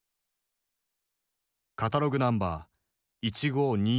カタログナンバー１５２４２。